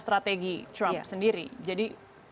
strategi trump sendiri jadi